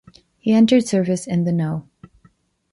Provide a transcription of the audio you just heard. He entered service in the No.